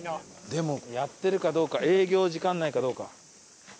でもやってるかどうか営業時間内かどうか。